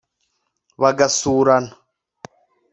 bagasurana